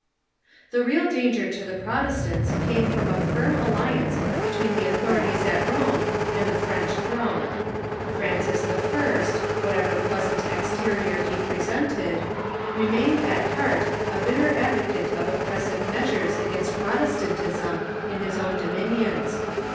The real danger to the Protestants came from a firm alli ance between the authorities at Rome and the French throne. Francis I., whatever pleasant exterior he j^resented, Ac ivi y 0 remained, at heart, a bitter advocate of oppressive the Huguenots '^... measures against Protestantism in his own domin ions.